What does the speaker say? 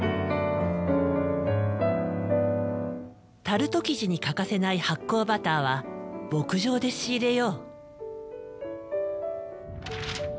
タルト生地に欠かせない発酵バターは牧場で仕入れよう。